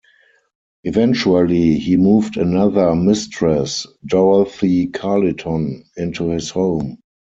Eventually, he moved another mistress, Dorothy Carleton, into his home.